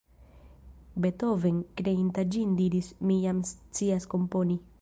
Beethoven, kreinta ĝin, diris: "Mi jam scias komponi".